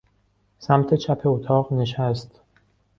سمت چپ اتاق نشست.